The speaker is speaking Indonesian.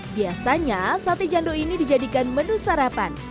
biasanya sate jando ini dijadikan menu sarapan